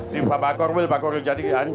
di bakor wil bakor wil jadigian